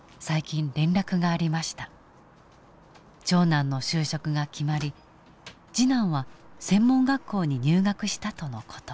長男の就職が決まり次男は専門学校に入学したとの事。